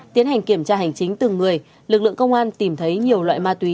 tiến hành kiểm tra hành chính từng người lực lượng công an tìm thấy nhiều loại ma túy